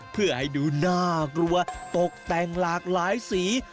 เพื่อให้ดูน่ากลัวตกแต่งหลากหลายสี